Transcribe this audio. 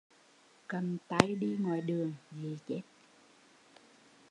Cầm tay đi ngoài đường, dị chết